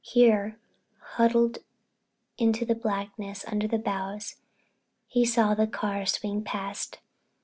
Here, huddled into the blackness under the boughs, he saw the car swing past.